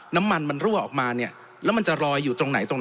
น้ำมันมันรั่วออกมาแล้วมันจะลอยอยู่ตรงไหน